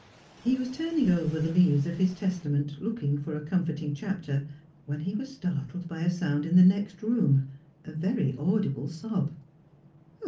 He was turning over the leaves of his Testament looking for a comforting chapter, when he was startled by a sound in the next room, a very audible sob.